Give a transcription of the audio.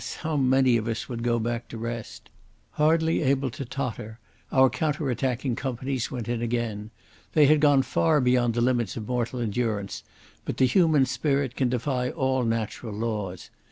how many of us would go back to rest?... Hardly able to totter, our counter attacking companies went in again. They had gone far beyond the limits of mortal endurance, but the human spirit can defy all natural laws.